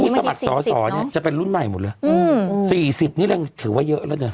สมัครสอสอเนี่ยจะเป็นรุ่นใหม่หมดเลย๔๐นี่ถือว่าเยอะแล้วนะ